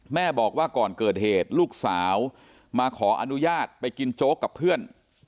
แม่บอกว่าก่อนเกิดเหตุลูกสาวมาขออนุญาตไปกินโจ๊กกับเพื่อน